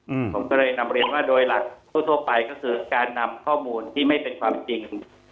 อืมผมก็เลยนำเรียนว่าโดยหลักทั่วทั่วไปก็คือการนำข้อมูลที่ไม่เป็นความจริง